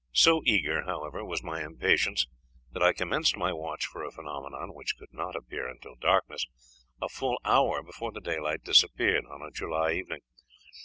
So eager, however, was my impatience, that I commenced my watch for a phenomenon, which could not appear until darkness, a full hour before the daylight disappeared, on a July evening.